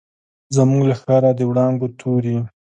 زموږ له ښاره، د وړانګو توري